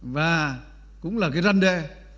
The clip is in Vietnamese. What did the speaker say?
và cũng là cái răn đề